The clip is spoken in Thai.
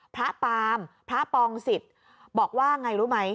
พระปามพระปองศิษย์บอกว่าอย่างไรรู้ไหม